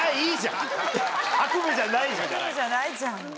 悪夢じゃないじゃん。